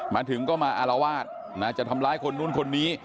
มาถึงก็มาอารวาสจะทำร้ายคนนู้นคนนี้